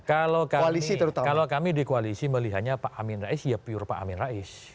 kalau kami di koalisi melihatnya pak amin rais ya pure pak amin rais